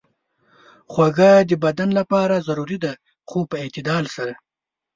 خوږه د بدن لپاره ضروري ده، خو په اعتدال سره.